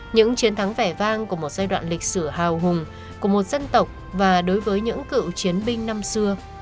những chiến thắng vẻ vang của một giai đoạn lịch sử hào hùng của một dân tộc và đối với những cựu chiến binh năm xưa